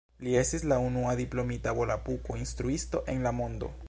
Li estis la unua diplomita volapuko-instruisto en la mondo.